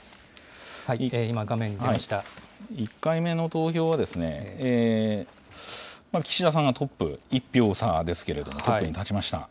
１回目の投票は、岸田さんがトップ、１票差ですけれども、トップに立ちました。